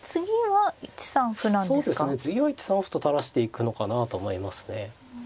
次は１三歩と垂らしていくのかなと思いますね。